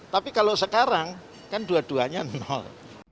tapi kalau sekarang kan dua duanya nol